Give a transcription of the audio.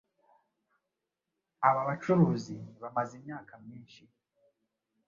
Aba bacuruzi bamaze imyaka myinshi